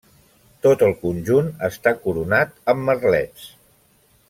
Tot el conjunt està coronat amb merlets.